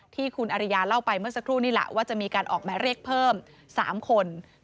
ที่คุณอริยาเล่าไปเมื่อสักครู่นี่แหละว่าจะมีการออกมาเรียกเพิ่ม๓คน